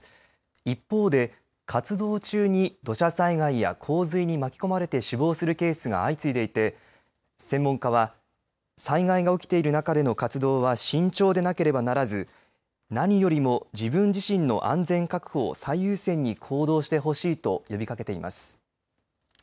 一方で活動中に土砂災害や洪水に巻き込まれて死亡するケースが相次いでいて専門家は災害が起きている中での活動は慎重でなければならず何よりも自分自身の安全確保を最優先に行動してほしいと呼びかけています。